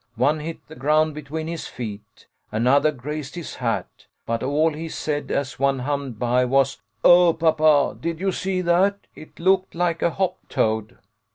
One hit the ground between his feet. Another grazed his hat, but all he said as one hummed by was, ' Oh, papa, did you see that ? It looked like a hop toad.'